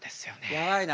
やばいな。